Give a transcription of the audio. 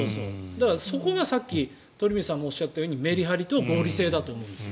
そこがさっき鳥海さんもおっしゃったようにメリハリと合理性だと思います。